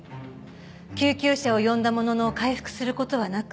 救急車を呼んだものの回復する事はなく